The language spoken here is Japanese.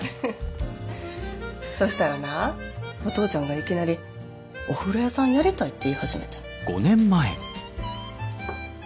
そしたらなお父ちゃんがいきなり「お風呂屋さんやりたい」って言い始めてん。